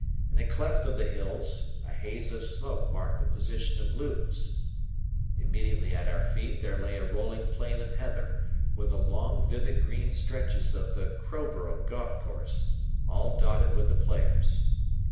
In a cleft of the hills a haze of smoke marked the position of Lewes. Immediately at our feet there lay a rolling plain of heather, with the long, vivid green stretches of the Crowborough golf course, all dotted with the players.